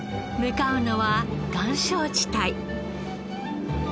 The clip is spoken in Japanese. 向かうのは岩礁地帯。